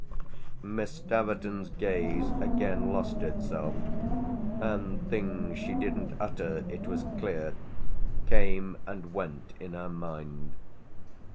Miss Staverton's gaze again lost itself, and things she didn't utter, it was clear, came and went in her mind.